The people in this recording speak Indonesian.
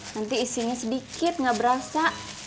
nanti isinya sedikit nggak berasa